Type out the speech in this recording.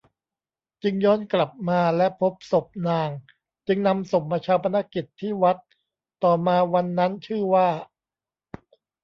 จึงย้อนกลับมาและพบศพนางจึงนำศพมาฌาปนกิจที่วัดต่อมาวันนั้นชื่อว่า